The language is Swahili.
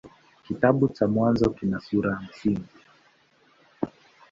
Kitabu cha Mwanzo kina sura hamsini.